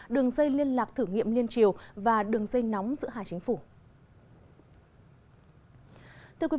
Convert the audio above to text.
đường dây liên lạc thử nghiệm liên triều và đường dây nóng giữa hai chính phủ